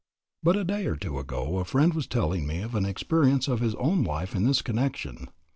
But a day or two ago a friend was telling me of an experience of his own life in this connection.